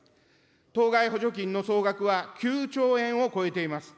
当該補助金の総額は９兆円を超えています。